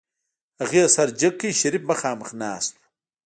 هغې سر جګ کړ شريف مخاخ ناست و.